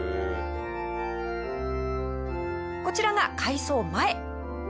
こちらが改装前。